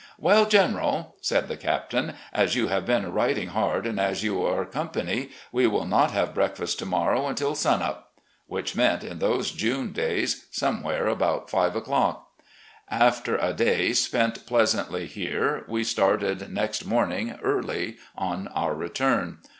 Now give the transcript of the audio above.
"'Well, General,' said the Captain, 'as you have been riding hard, and as you are company, we will not have breakfast to morrow until sun up,' which meant in those Jtme days somewhere before five o'clock. "After a day spent pleasantly here, we started next morning early on our return.